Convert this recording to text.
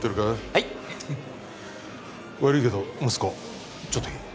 はい悪いけど息子ちょっといい？